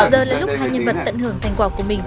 giờ đến lúc hai nhân vật tận hưởng thành quả của mình